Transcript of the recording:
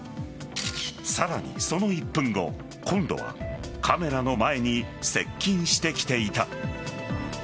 さらにその１分後、今度はカメラの前に接近してきていた。